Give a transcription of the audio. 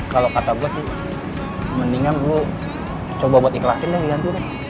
kalau kata gue sih mendingan gue coba buat ikhlasin deh digantu deh